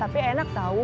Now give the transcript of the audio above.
tapi enak tau